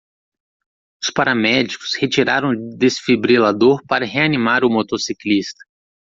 Os paramédicos retiraram o desfibrilador para reanimar o motociclista.